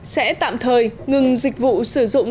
sẽ tạm thời ngừng dịch vụ sử dụng